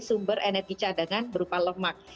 sumber energi cadangan berupa lemak